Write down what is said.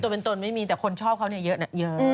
เป็นตนไม่มีแต่คนชอบเขาเนี่ยเยอะนะเยอะ